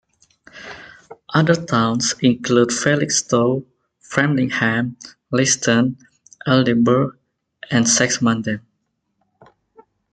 Other towns include Felixstowe, Framlingham, Leiston, Aldeburgh, and Saxmundham.